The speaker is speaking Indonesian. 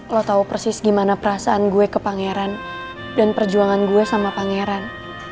lo tahu persis gimana perasaan gue ke pangeran dan perjuangan gue sama pangeran